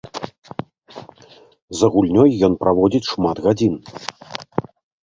За гульнёй ён праводзіць шмат гадзін.